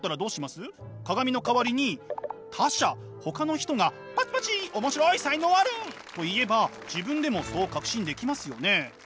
鏡の代わりに他者ほかの人がパチパチ「面白い才能ある！」と言えば自分でもそう確信できますよね。